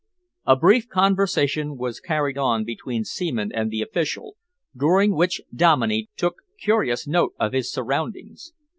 A brief conversation was carried on between Seaman and the official, during which Dominey took curious note of his surroundings.